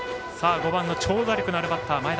５番の長打力のあるバッター、前田。